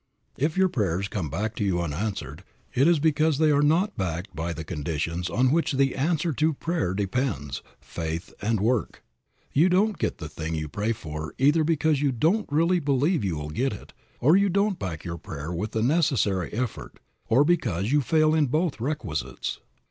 If your prayers come back to you unanswered it is because they are not backed by the conditions on which the answer to prayer depends, faith and work. You don't get the thing you pray for either because you don't really believe you will get it, or you don't back your prayer with the necessary effort, or because you fail in both requisites.